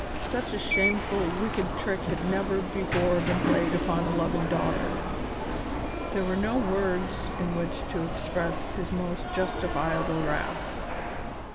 Such a shameful, wicked trick had never before been played upon a loving daughter. There were no words in which to express his most justifiable wrath.